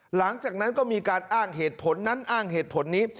หลังจากนั้นก็มีการอ้างเหตุผลนั้นอ้างเหตุผลนี้